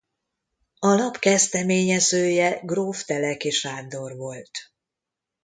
A lap kezdeményezője gróf Teleki Sándor volt.